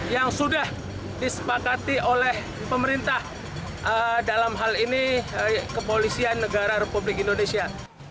yang sudah disepakati oleh pemerintah dalam hal ini kepolisian negara republik indonesia